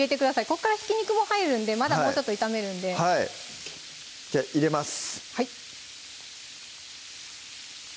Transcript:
ここからひき肉も入るんでまだもうちょっと炒めるんでじゃ入れます